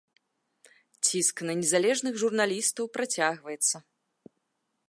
Ціск на незалежных журналістаў працягваецца.